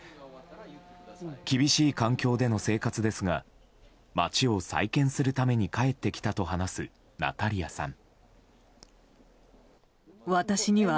厳しい環境での生活ですが街を再建するために帰ってきたと話すナタリアさん。